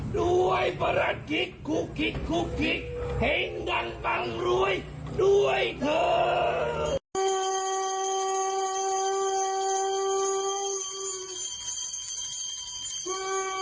ด้วยประหลักกิขุกกิคุกกิแห่งดันมันรวยด้วยเถอะ